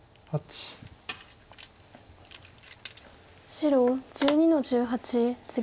白１２の十八ツギ。